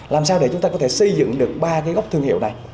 làm sao để chúng ta có thể xây dựng được ba cái góc thương hiệu này